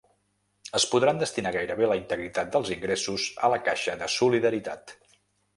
Es podran destinar gairebé la integritat dels ingressos a la caixa de solidaritat.